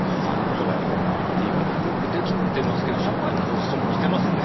はあまあよくできてますけど社会の構図とも似てますね。